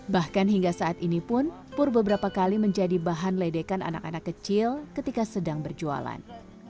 bahkan hingga saat ini pun pur beberapa kali menjadi bahan ledekan anak anak kecil ketika sedang berjualan